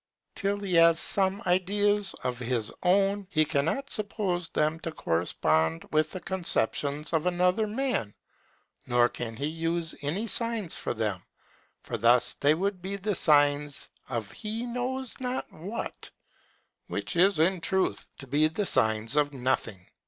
Till he has some ideas of his own, he cannot suppose them to correspond with the conceptions of another man; nor can he use any signs for them: for thus they would be the signs of he knows not what, which is in truth to be the signs of nothing.